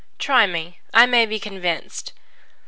Try me; I may be convinced."